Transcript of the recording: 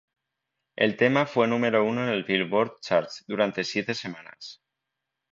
El tema fue número uno en el Billboard charts durante siete semanas.